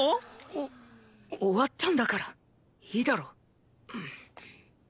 お終わったんだからいいだろ。